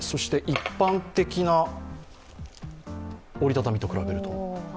一般的な折り畳みと比べると。